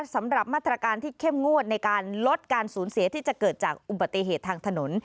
สำหรับมาตรการที่เข้มงวดในการลดการสูญเสียที่จะเกิดจากอุบัติเหตุทางถนน